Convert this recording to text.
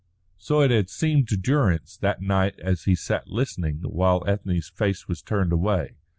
So it had seemed to Durrance that night as he had sat listening while Ethne's face was turned away.